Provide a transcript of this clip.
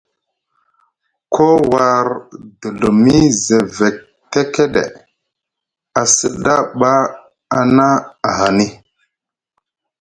Koo war dilimi sʼevek tekeɗe, a sɗa ɓa a na ahani.